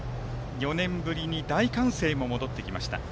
４年ぶりに大歓声も戻ってきました。